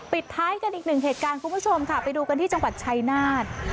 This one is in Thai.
ปิดท้ายกันอีกหนึ่งเหตุการณ์คุณผู้ชมค่ะไปดูกันที่จังหวัดชายนาฏ